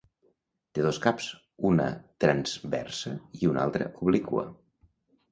Té dos caps: una transversa i una altra obliqua.